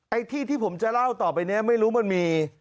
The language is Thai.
ไอ้ที่ที่ผมจะเล่าต่อไปนี้ไม่รู้มันมี